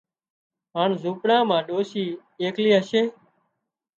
هانَ زونپڙا مان ڏوشِي ايڪلي هشي